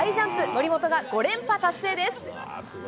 森本が５連覇達成です。